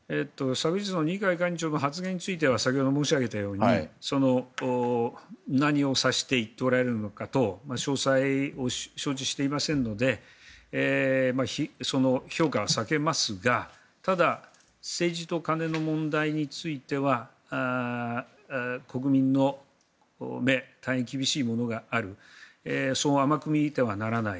昨日の二階さんの発言については先ほど申し上げたように何を指して言っておられるのかと詳細を承知していませんので評価は避けますがただ、政治と金の問題については国民の目大変厳しいものがあるそう甘く見てはならない。